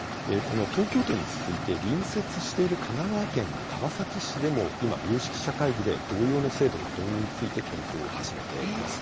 東京都に続いて隣接している神奈川県の川崎市でも今、有識者会議で同様の制度の導入について検討を始めています。